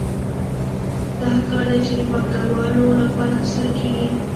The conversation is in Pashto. دا هغه کار دی چې د پانګوالو لپاره ترسره کېږي